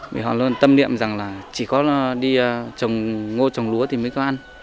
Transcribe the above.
vì họ luôn tâm niệm rằng là chỉ có đi trồng ngô trồng lúa thì mới có ăn